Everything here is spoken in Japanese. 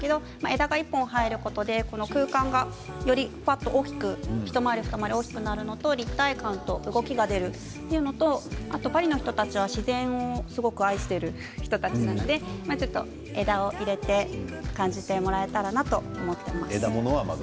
枝が１本入ることで空間が大きく一回り、ふた回り大きくなるのと立体感と動きが出るというのとパリの人たちは自然をすごく愛している人たちなので枝を入れて感じてもらえたらなと思っています。